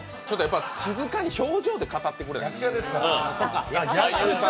静かに表情で語ってくれと。